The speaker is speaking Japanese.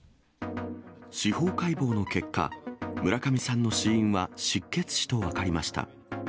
司法解剖の結果、村上さんの死因は失血死と分かりました。